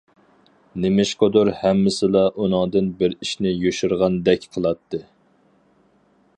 نېمىشقىدۇر ھەممىسىلا ئۇنىڭدىن بىر ئىشنى يوشۇرغاندەك قىلاتتى.